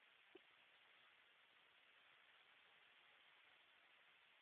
It is similar to a ward in the United States.